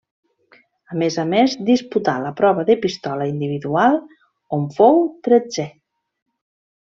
A més a més disputà la prova de pistola individual, on fou tretzè.